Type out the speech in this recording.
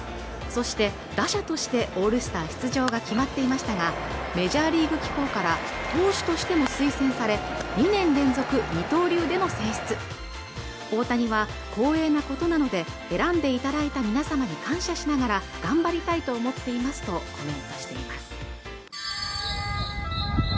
そして打者としてオールスター出場が決まっていましたがメジャーリーグ機構から投手としても推薦され２年連続二刀流での選出大谷は光栄なことなので選んで頂いた皆様に感謝しながら頑張りたいと思っていますとコメントしています